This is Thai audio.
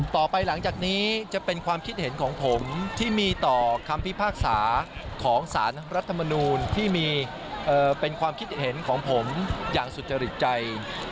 ต่อไปหลังจากนี้จะเป็นความคิดเห็นของผมที่มีต่อคำพิพากษาของสารรัฐมนูลที่มีเป็นความคิดเห็นของผมอย่างสุจริตใจ